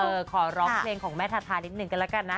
ขอร้องเพลงของแม่ทาทานิดนึงกันแล้วกันนะ